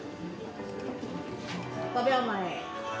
５秒前。